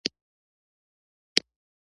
تاریخ د انسان د سفر کیسه ده.